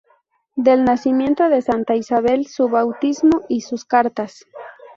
Del nacimiento de Santa Isabel; su bautismo y sus cartas.